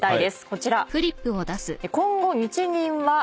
こちら。